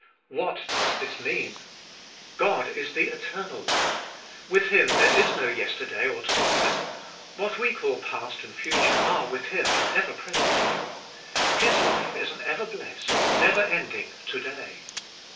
What does this mean? God is the Eternal One. With Him there is no yesterday or to morrow ; what we call past and future are with Him an ever present Now; His life is an ever blessed, never ending To day.